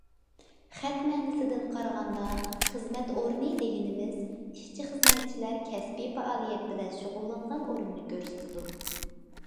خەت مەنىسىدىن قارىغاندا، خىزمەت ئورنى دېگىنىمىز ئىشچى- خىزمەتچىلەر كەسپىي پائالىيەت بىلەن شۇغۇللانغان ئورۇننى كۆرسىتىدۇ.